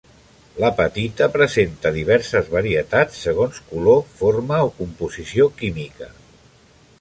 L'apatita presenta diverses varietats segons color, forma o composició química.